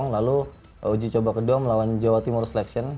lalu uji coba kedua melawan jawa timur selection